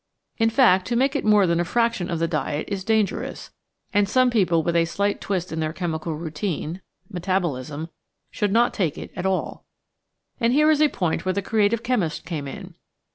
In fact, to make it more than a fraction of the diet is dangerous; and some people with a slight twist in their chemical routine (metabolism) should not take it at all. And here is a point where the creative chemist came in.